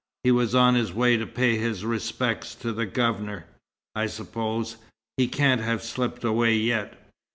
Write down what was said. He was on his way to pay his respects to the Governor, I suppose. He can't have slipped away yet."